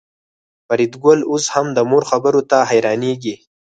فریدګل اوس هم د مور خبرو ته حیرانېږي